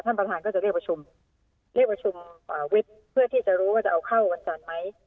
ท่านประธานก็จะเรียกประชุมเรียกประชุมวิทย์เพื่อที่จะรู้ว่าจะเอาเข้าวันจันทร์ไหม